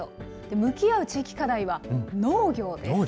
向き合う地域課題は農業です。